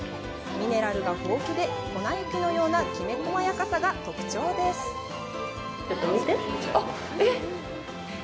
ミネラルが豊富で粉雪のようなきめ細やかさが特徴ですえっ？